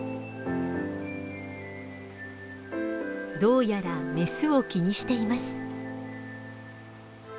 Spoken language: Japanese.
どうやらメスを気にしています。